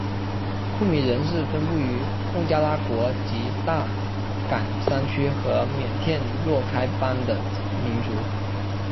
库米人是分布于孟加拉国吉大港山区和缅甸若开邦的民族。